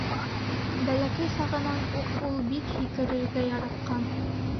Бәләкәй сағынан уҡ ул бик һикерергә яратҡан.